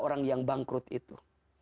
orang yang bangkrut itu